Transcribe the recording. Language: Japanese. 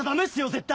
絶対！